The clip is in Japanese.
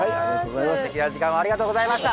すてきな時間をありがとうございました。